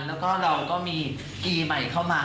แล้วก็เราก็มีอีใหม่เข้ามา